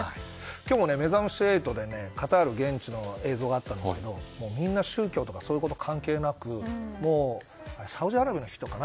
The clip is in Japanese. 今日も「めざまし８」でカタール現地の映像がありましたがみんな宗教とか関係なく確かサウジアラビアの人かな？